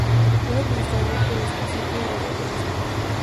Es administrada por Los Conciertos de Radio Francia.